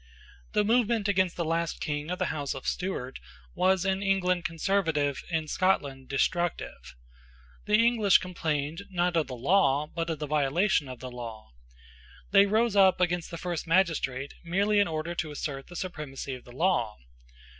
The movement against the last king of the House of Stuart was in England conservative, in Scotland destructive. The English complained, not of the law, but of the violation of the law. They rose up against the first magistrate merely in order to assert the supremacy of the law.